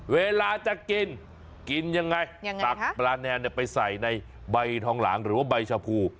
เวลาจะกินกินยังไงตักปลาแนนไปใส่ในใบทองหลางหรือว่าใบชะพู